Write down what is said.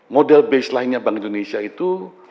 model baseline nya bank indonesia itu